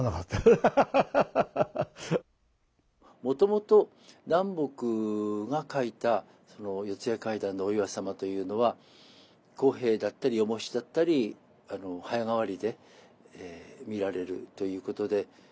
もともと南北が書いた「四谷怪談」のお岩様というのは小平だったり与茂七だったり早替りで見られるということで。